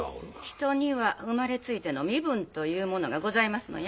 人には生まれついての身分というものがございますのや。